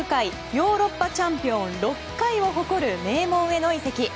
ヨーロッパチャンピオン６回を誇る名門への移籍。